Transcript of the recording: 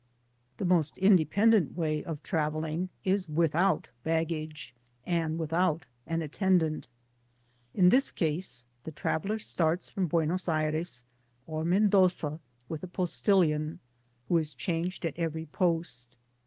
The most independent way of travelling is with^ out baggage, and without an attendant. In this case, the traveller starts from Buenos Aires or Men doza with a postilion, who is changed at every post.